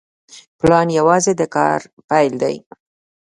پلان یوازې د کار پیل دی